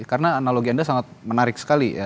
karena analogi anda sangat menarik sekali